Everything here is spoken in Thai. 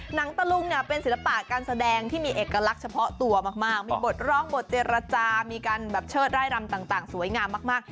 หนังตะลุงเนี่ยเป็นศิลปะการแสดงที่มีเอกลักษณ์เฉพาะตัวมากมีบทร้องบทเจรจามีการแบบเชิดร่ายรำต่างสวยงามมาก